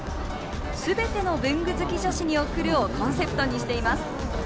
「すべての文具好き女子におくる」をコンセプトにしています。